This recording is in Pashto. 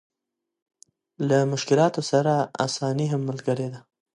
له مشکلاتو سره اساني هم ملګرې ده.